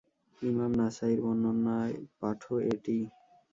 ইমাম নাসাঈর বর্ণনায় পাঠও এটিই।